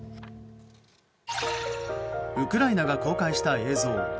ウクライナが公開した映像。